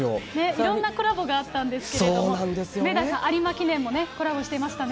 いろんなコラボがあったんですけれども、明大さん、有馬記念もコラボしてましたね。